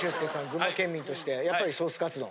群馬県民としてはやっぱりソースカツ丼。